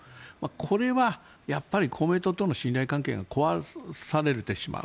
これはやっぱり公明党との信頼関係が壊されてしまう。